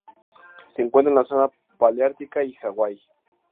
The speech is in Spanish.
Se encuentra en la zona paleártica y Hawaii.